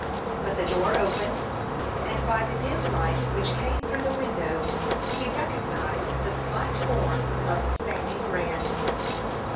But the door opened, and, by the dim light which came through the window, he recognized the slight form of Fanny Grant.